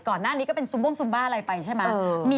ก่อนหน้านี้ก็เป็นซุมบ้วงซุมบ้าอะไรไปใช่ไหม